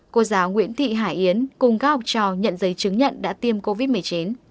cô giáo nguyễn thị hải yến cùng các học trò nhận giấy chứng nhận đã tiêm covid một mươi chín